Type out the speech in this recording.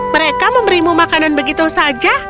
mereka memberimu makanan begitu saja